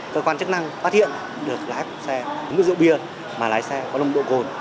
cơ quan chức năng phát hiện được lái xe uống rượu bia mà lái xe có lông độ gồm